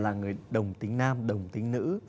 là người đồng tính nam đồng tính nữ